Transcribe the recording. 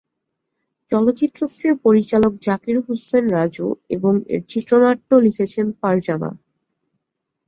চলচ্চিত্রটির পরিচালক জাকির হোসেন রাজু এবং এর চিত্রনাট্য লিখেছেন ফারজানা।